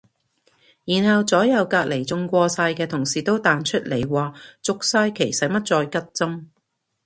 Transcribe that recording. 然後左右隔離中過晒嘅同事都彈出嚟話續晒期使乜再拮針